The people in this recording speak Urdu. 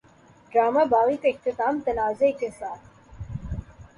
ڈرامہ باغی کا اختتام تنازعے کے ساتھ